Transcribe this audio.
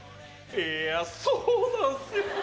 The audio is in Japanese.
いやぁ、そうなんすよ。